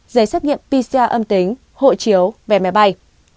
giấy xác nghiệm pcr âm tính hộ chiếu vé máy bay